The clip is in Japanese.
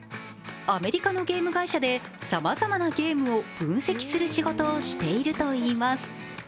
アメリカのゲーム会社でさまざまなゲームを分析する仕事をしているといいます。